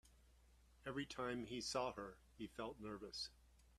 Every time he saw her, he felt nervous.